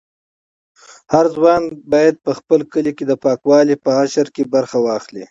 هر ځوان باید په خپل کلي کې د پاکوالي په حشر کې برخه واخلي.